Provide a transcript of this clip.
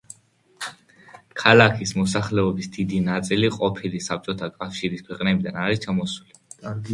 ქალაქის მოსახლეობის დიდი ნაწილი ყოფილი საბჭოთა კავშირის ქვეყნებიდან არის ჩასული.